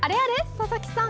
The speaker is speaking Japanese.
佐々木さん。